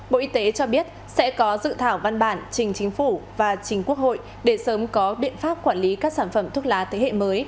bộ y tế cho biết sẽ có dự thảo văn bản trình chính phủ và chính quốc hội để sớm có biện pháp quản lý các sản phẩm thuốc lá thế hệ mới